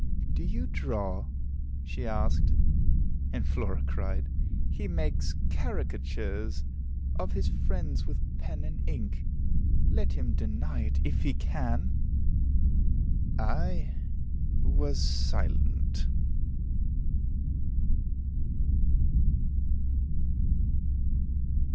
"Do you draw?" she asked; and Flora cried, "He makes caricatures of his friends with pen and ink; let him deny it if he can!" I was silent.